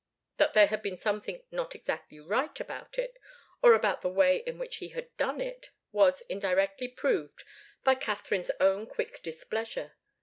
That there had been something not exactly right about it, or about the way in which he had done it, was indirectly proved by Katharine's own quick displeasure.